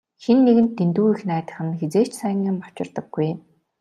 Хэн нэгэнд дэндүү их найдах нь хэзээ ч сайн юм авчирдаггүй.